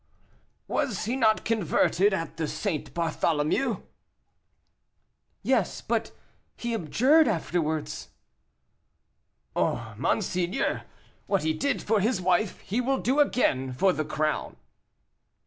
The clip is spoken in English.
"Was he not converted at the St. Bartholomew?" "Yes, and he abjured afterwards." "Oh, monseigneur, what he did for his wife, he will do again for the crown."